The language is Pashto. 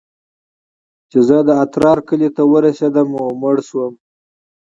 چې زه د اترار کلي ته ورسېدم او مړ سوم.